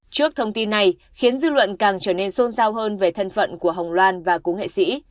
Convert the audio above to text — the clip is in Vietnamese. trước thông tin này khiến dư luận càng trở nên xôn xao hơn về thân phận của hồng loan và cú nghệ sĩ